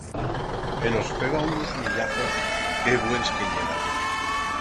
E nos feba uns millazos, qué buens que yeran!